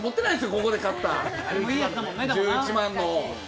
ここで買った１１万の。